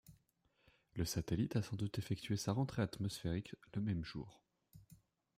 Le satellite a sans doute effectué sa rentrée atmosphérique le même jour.